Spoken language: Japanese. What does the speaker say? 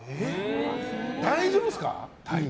大丈夫ですか、体調。